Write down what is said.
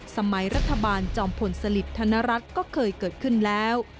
สมัยรัฐบาลจอมพลสลิดธนรัฐก็เคยเกิดขึ้นแล้ว